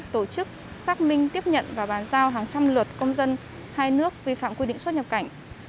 tổ chức xác minh tiếp nhận và bàn giao hàng trăm lượt công dân hai nước vi phạm quy định xuất nhập cảnh